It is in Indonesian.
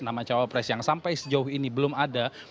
nama cawapres yang sampai sejauh ini belum ada